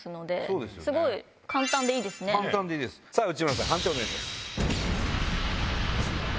内村さん判定をお願いします。